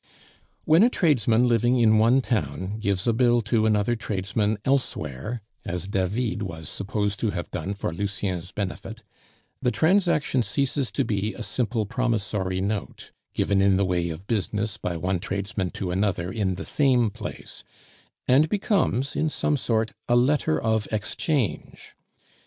When a tradesman living in one town gives a bill to another tradesman elsewhere (as David was supposed to have done for Lucien's benefit), the transaction ceases to be a simple promissory note, given in the way of business by one tradesman to another in the same place, and becomes in some sort a letter of exchange.